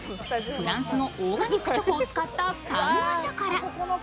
フランスのオーガニックチョコを使ったパンオショコラ。